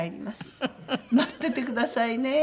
待っててくださいね。